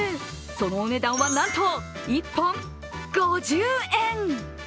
そのお値段はなんと、１本５０円。